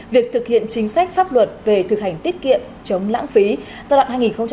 việc thực hiện chính sách pháp luật về thực hành tiết kiệm chống lãng phí giai đoạn hai nghìn một mươi sáu hai nghìn hai mươi